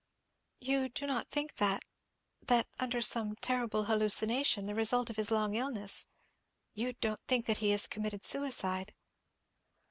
"You do not think that—that under some terrible hallucination, the result of his long illness—you don't think that he has committed suicide?"